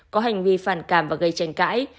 có hành vi phản cảm và gây tranh cãi